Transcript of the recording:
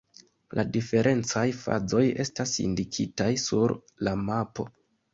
La diferencaj fazoj estas indikitaj sur la mapo.